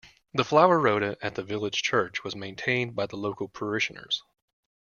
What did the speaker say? The flower rota at the village church was maintained by the local parishioners